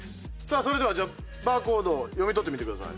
それではじゃあバーコードを読み取ってみてください。